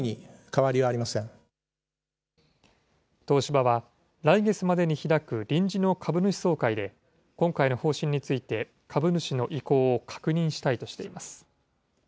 東芝は、来月までに開く臨時の株主総会で、今回の方針について、株主の意向を確認したいとしています。